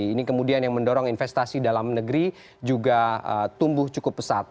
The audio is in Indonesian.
ini kemudian yang mendorong investasi dalam negeri juga tumbuh cukup pesat